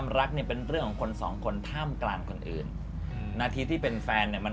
ครั้งนี้เตรียมเวลา๘ปีที่คุณเป็นแฟนกับก่อน